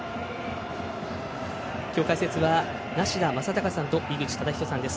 今日、解説は梨田昌孝さんと井口資仁さんです。